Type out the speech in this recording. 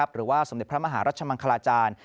หรือว่าสมเด็จพระมหารัชมังคลาจารย์